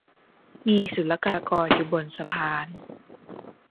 มีศุลกากรอยู่บนสะพาน